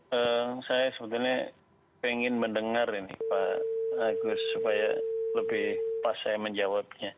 ya saya sebetulnya pengen mendengar ini pak agus supaya lebih pas saya menjawabnya